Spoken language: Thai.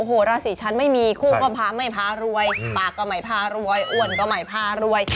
โอ้โหราศีฉันไม่มีคู่ก็พาไม่พารวยปากก็ไม่พารวยอ้วนก็ไม่พารวย